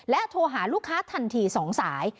และโทรหาลูกค้าถัดถี๒สาย